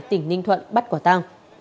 tỉnh ninh thuận bắt quả tang